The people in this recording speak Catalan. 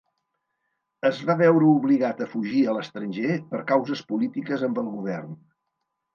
Es va veure obligat a fugir a l'estranger per causes polítiques amb el govern.